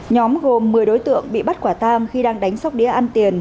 nhóm gồm một mươi đối tượng bị bắt quả tang khi đang đánh sóc đĩa ăn tiền